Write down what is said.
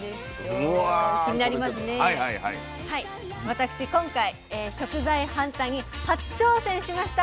私今回食材ハンターに初挑戦しました